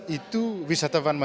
itu wisatawan mengancam